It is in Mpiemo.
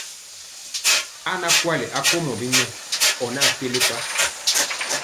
A naa kwali akomɔ binya ɔ nɔ kelepa.